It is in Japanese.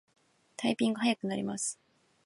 タイピングが早くなります